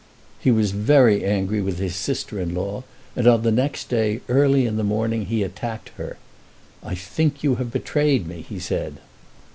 He was very angry with his sister in law, and on the next day, early in the morning, he attacked her. "I think you have betrayed me," he said.